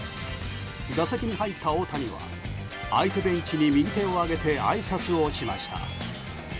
打席に入った大谷は相手ベンチに右手を上げてあいさつをしました。